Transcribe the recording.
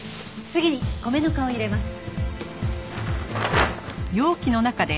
次に米ぬかを入れます。